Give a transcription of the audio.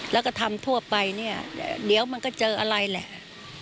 แล้วก็ทำทั่วไปเนี่ยเดี๋ยวมันก็เจออะไรแหละ